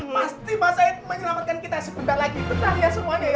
mau dan mengenal dengan namanya